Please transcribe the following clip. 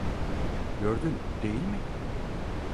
Gördün, değil mi?